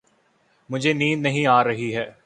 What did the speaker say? مجھے نیند نہیں آ رہی۔